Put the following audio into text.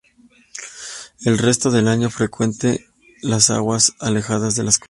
El resto del año frecuente las aguas alejadas de las costas.